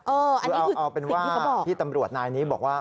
คือเอาเป็นว่าพี่ตำรวจนายนี้บอกว่า